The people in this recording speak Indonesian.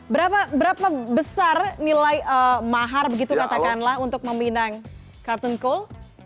berapa besar nilai mahar begitu katakanlah untuk meminang kartun cole